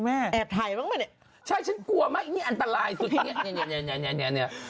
อ๋อแอบถ่ายบ้างไหมเนี่ยใช่ฉันกลัวไหมอันตรายสุดเนี่ย